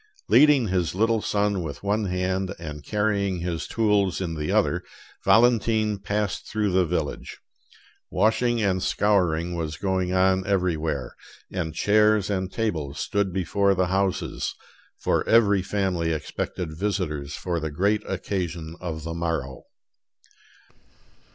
Leading his little son with one hand, and carrying his tools in the other, Valentine passed through the village. Washing and scouring was going on everywhere, and chairs and tables stood before the houses, for every family expected visitors for the great occasion of the morrow.